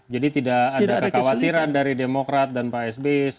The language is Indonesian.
jadi tidak ada kekhawatiran dari demokrat dan pak sb soal